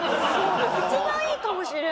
一番いいかもしれないですね。